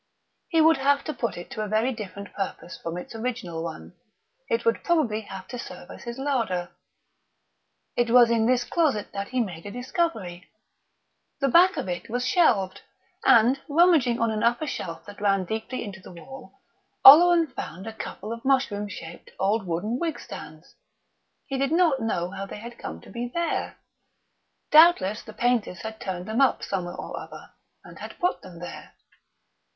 He would have to put it to a very different purpose from its original one; it would probably have to serve as his larder.... It was in this closet that he made a discovery. The back of it was shelved, and, rummaging on an upper shelf that ran deeply into the wall, Oleron found a couple of mushroom shaped old wooden wig stands. He did not know how they had come to be there. Doubtless the painters had turned them up somewhere or other, and had put them there.